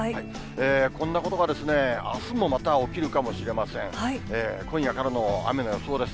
こんなことがですね、あすもまた起きるかもしれません。